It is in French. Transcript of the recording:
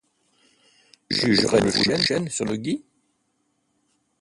Jugerez-vous le chêne sur le gui?